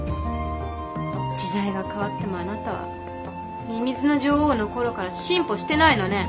時代が変わってもあなたは「みみずの女王」の頃から進歩してないのね。